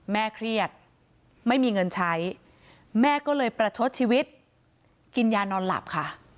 แม่เครียดไม่มีเงินใช้แม่ก็เลยประชดชีวิตกินยานอนหลับค่ะ